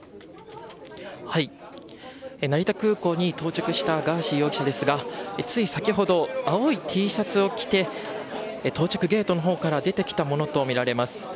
成田空港に到着したガーシー容疑者ですがつい先ほど、青いＴシャツを着て到着ゲートの方から出てきたものとみられます。